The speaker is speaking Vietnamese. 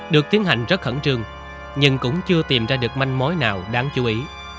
được tiến hành rất khẩn trương nhưng cũng chưa tìm ra được manh mối nào đáng chú ý